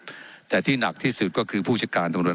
เจ้าหน้าที่ของรัฐมันก็เป็นผู้ใต้มิชชาท่านนมตรี